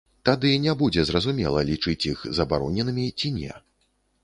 Тады не будзе зразумела, лічыць іх забароненымі, ці не.